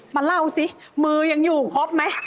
มาเล่าสิมือยังอยู่ครบไหม